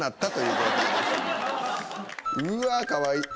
うわあかわいい。